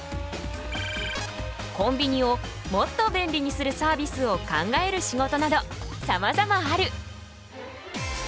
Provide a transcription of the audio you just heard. コンビニをもっと便利にするサービスを考える仕事などさまざまある。